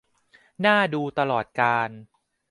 น่าดูตลอดกาล